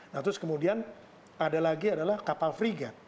nah terus kemudian ada lagi adalah kapal frigat